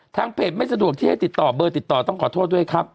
เพจไม่สะดวกที่ให้ติดต่อเบอร์ติดต่อต้องขอโทษด้วยครับ